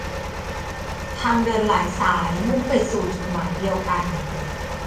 ทางเดินหลายสายมุ่งไปสู่จุดหมายเดียวกัน